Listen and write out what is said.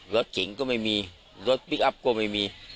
รถตรงกว่าไม่มีรถบิ๊กอัพก็ไม่มี